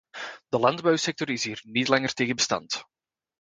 De landbouwsector is hier niet langer tegen bestand.